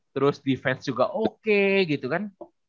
terus defense juga oke gitu kan